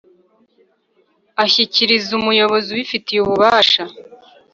ashyikiriza umuyobozi ubifitiye ububasha